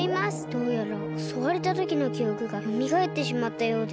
どうやらおそわれたときのきおくがよみがえってしまったようで。